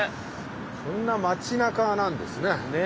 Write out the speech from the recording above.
こんな街なかなんですね。ね。